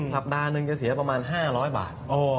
สัปดาห์หนึ่งจะเสียประมาณ๕๐๐บาท